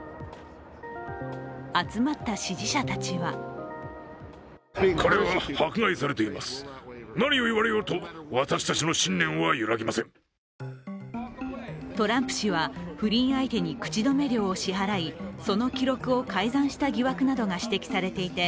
集まった支持者たちはトランプ氏は不倫相手に口止め料を支払いその記録を改ざんした疑惑などが指摘されていて、